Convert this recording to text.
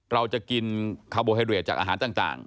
เราจะกินคาร์โบไฮเรดจากอาหารต่าง